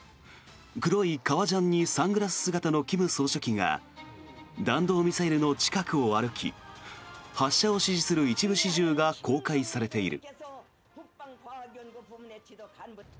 黒い革ジャンにサングラス姿の金総書記が弾道ミサイルの近くを歩き発射を指示する一部始終が公開されている。